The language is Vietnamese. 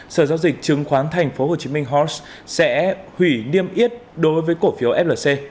sở giao dịch trứng khoán tp hcm horses sẽ hủy niêm yết đối với cổ phiếu flc